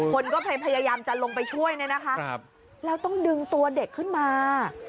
คนก็พยายามจะลงไปช่วยแล้วต้องดึงตัวเด็กขึ้นมา